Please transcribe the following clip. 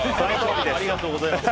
ありがとうございます。